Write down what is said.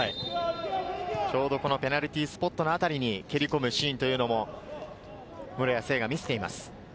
ちょうどペナルティースポットの辺りに蹴り込むシーンというのも、室屋成が見せています。